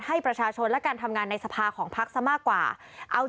ให้ประชาชนและการทำงานในสภาของพักซะมากกว่าเอา